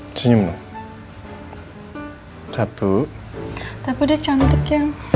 udah gak mau gabagaf lagi ya